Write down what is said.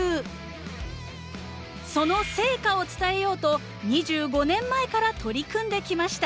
その成果を伝えようと２５年前から取り組んできました。